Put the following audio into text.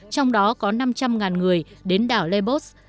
trong đó có năm trăm linh người đến đảo lebos